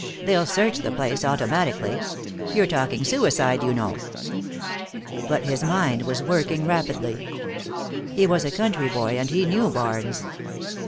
They'll search the place, automatically. You're talking suicide, you know." But his mind was working rapidly. He was a country boy, and he knew barns.